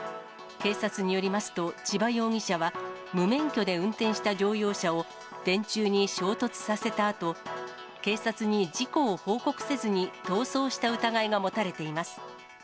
警察によりますと、千葉容疑者は無免許で運転した乗用車を電柱に衝突させたあと、警察に事故を報告せずに逃走した疑いが持たれています。